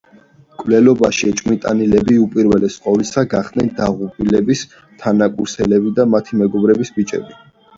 მკვლელობაში ეჭვმიტანილები უპირველეს ყოვლისა გახდნენ დაღუპულების თანაკურსელები და მათი მეგობარი ბიჭები.